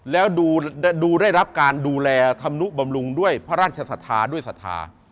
และดูได้รับการดูแลทำลู่บำรุงด้วยพระราชสถาด้วยสัทธา